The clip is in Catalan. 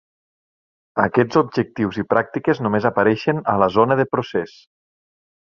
Aquests objectius i pràctiques només apareixen a la zona de procés.